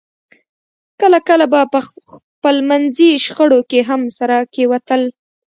کله کله به په خپلمنځي شخړو کې هم سره کېوتل